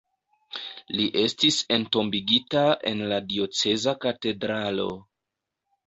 Li estis entombigita en la dioceza katedralo.